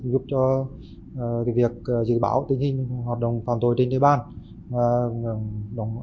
giúp cho việc dự bảo tình hình hoạt động phạm tội trên đời ban